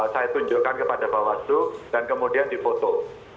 saya tunjukkan kepada pak watu dan kemudian dipotong